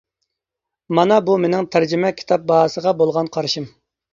مانا بۇ مېنىڭ تەرجىمە كىتاب باھاسىغا بولغان قارىشىم.